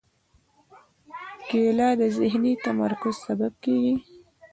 کېله د ذهني تمرکز سبب کېږي.